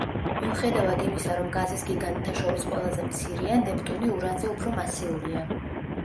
მიუხედავად იმისა, რომ გაზის გიგანტთა შორის ყველაზე მცირეა, ნეპტუნი ურანზე უფრო მასიურია.